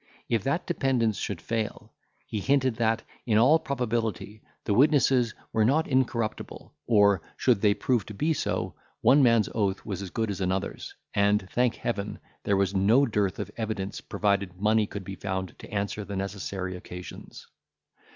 If that dependence should fail, he hinted that, in all probability, the witnesses were not incorruptible; or, should they prove to be so, one man's oath was as good as another's; and, thank Heaven, there was no dearth of evidence, provided money could be found to answer the necessary occasions.